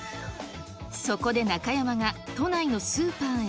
そこで中山が都内のスーパーへ。